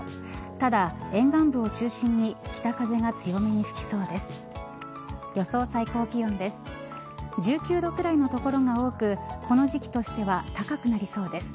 ただ沿岸部を中心に北風が強めに吹きそうです。